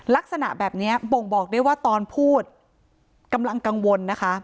ลักษณะแบบนี้บ่งบอกได้ว่าตอนพูดกำลังกังวลนะคะ